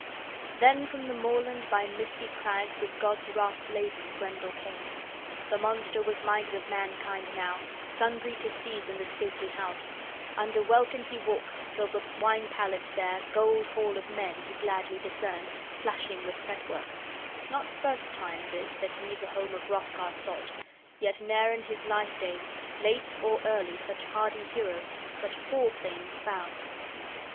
XI THEN from the moorland, by misty crags, with God's wrath laden, Grendel came. The monster was minded of mankind now sundry to seize in the stately house. Under welkin he walked, till the wine palace there, gold hall of men, he gladly discerned, flashing with fretwork. Not first time, this, that he the home of Hrothgar sought, yet ne'er in his life day, late or early, such hardy heroes, such hall thanes, found!